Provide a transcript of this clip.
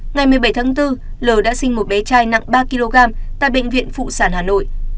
ngày một mươi bảy tháng bốn l đã sinh một bé trai nặng ba kg tại bệnh viện phụ sản hà nội